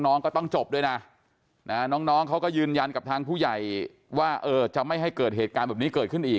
น้องก็ต้องจบด้วยนะน้องเขาก็ยืนยันกับทางผู้ใหญ่ว่าจะไม่ให้เกิดเหตุการณ์แบบนี้เกิดขึ้นอีก